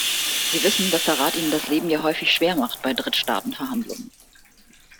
Sie wissen, dass der Rat Ihnen das Leben ja häufig schwer macht bei Drittstaatenverhandlungen.